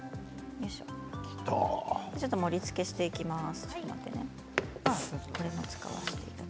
ちょっと盛りつけしていきます。